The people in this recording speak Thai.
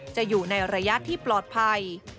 จะอยู่ในระยะที่ปลอดภัย